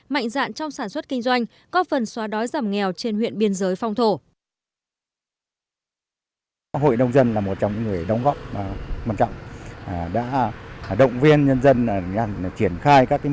mạnh dạn trong sản xuất kinh doanh có phần xóa đói giảm nghèo